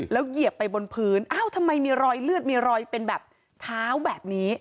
เหยียบไปบนพื้นอ้าวทำไมมีรอยเลือดมีรอยเป็นแบบเท้าแบบนี้